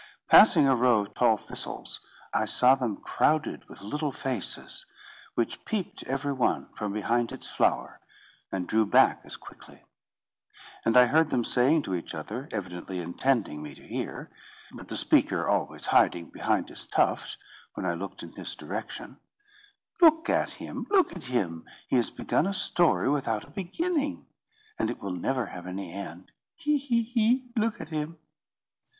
Passing a row of tall thistles, I saw them crowded with little faces, which peeped every one from behind its flower, and drew back as quickly; and I heard them saying to each other, evidently intending me to hear, but the speaker always hiding behind his tuft, when I looked in his direction, "Look at him! Look at him! He has begun a story without a beginning, and it will never have any end. He! he! he! Look at him!"